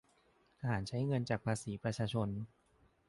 ทหารใช้เงินจากภาษีประชาชน